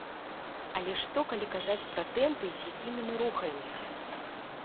Але што калі казаць пра тэмпы, з якімі мы рухаемся?